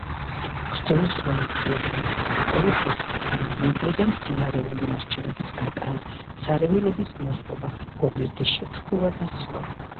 ბრძოლის ღონისძიებანი: სწორი თესლბრუნვა, მინდვრიდან მცენარეული ნარჩენების გატანა, სარეველების მოსპობა, გოგირდის შეფრქვევა და სხვა.